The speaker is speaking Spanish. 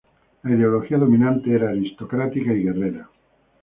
La ideología dominante era aristocrática y guerrera.